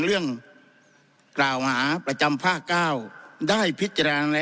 เรื่องกล่าวหาประจำภาคเก้าได้พิจารณาแล้ว